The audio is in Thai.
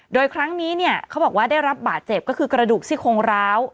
โดยครั้งนี้เนี่ยเขาบอกว่าได้รับบาดเจ็บก็คือกระดูกซี่โครงร้าว